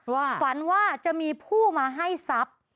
ฝันว่าจะมีผู้มาให้ทรัพย์